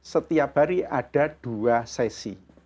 setiap hari ada dua sesi